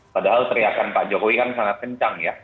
padahal teriakan pak jokowi kan sangat kencang ya